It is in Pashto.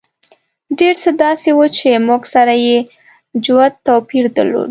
ډېر څه داسې وو چې موږ سره یې جوت توپیر درلود.